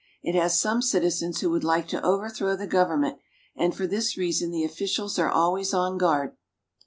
It has some citizens who would like to overthrow the government, and for this reason the officials are always on guard.